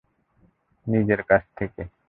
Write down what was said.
নিজের কাছ থেকে!